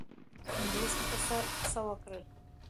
میرویس نیکه څه وکړل؟